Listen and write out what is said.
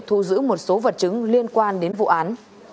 thu giữ một số vật chứng liên quan đến vụ án